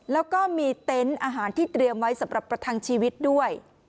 แล้วก็มีเต็นต์อาหารที่เตรียมไว้สำหรับประทังชีวิตด้วย